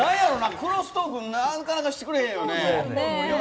クロストークなかなかしてくれへんよね。